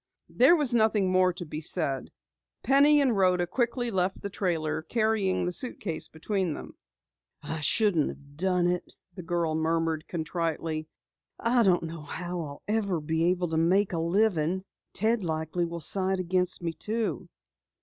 There was nothing more to be said. Penny and Rhoda quickly left the trailer, carrying the suitcase between them. "I shouldn't have done it," the girl murmured contritely. "I don't know how I'll ever manage to make a living. Ted likely will side against me, too."